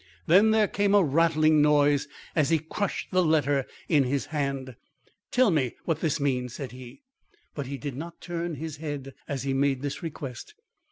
Then there came a rattling noise as he crushed the letter in his hand. "Tell me what this means," said he, but he did not turn his head as he made this request.